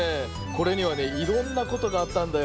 これにはねいろんなことがあったんだよ。